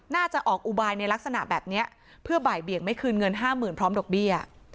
น่าจะออกอุบายในลักษณะแบบนี้เพื่อบ่ายเบี่ยงไม่คืนเงินห้าหมื่นพร้อมดอกเบี้ย